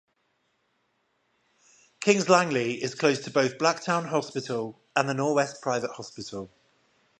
Kings Langley is close to both Blacktown Hospital and the Norwest Private Hospital.